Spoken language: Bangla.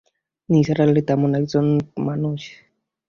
নিসার আলি তেমন এক জন মানুষ।